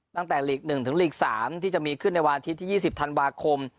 ตั้งแต่ลีกหนึ่งถึงลีกสามที่จะมีขึ้นในวาทธิ์ที่ยี่สิบธันวาคม